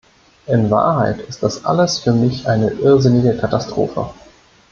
In Wahrheit ist das alles für mich eine irrsinnige Katastrophe.